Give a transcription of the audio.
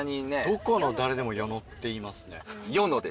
どこの誰でも与野って言いますね。